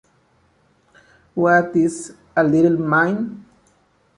What is a little mine?